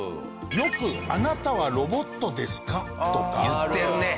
よく「あなたはロボットですか？」とか。言ってるね。